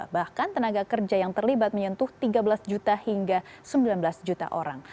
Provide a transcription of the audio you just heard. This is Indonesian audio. bahkan tenaga kerja yang terlibat menyentuh tiga belas juta hingga sembilan belas juta orang